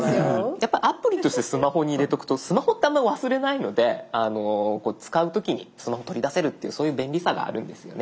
やっぱアプリとしてスマホに入れとくとスマホってあんまり忘れないので使う時にスマホ取り出せるっていうそういう便利さがあるんですよね。